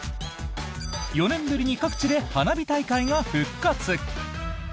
４年ぶりに各地で花火大会が復活。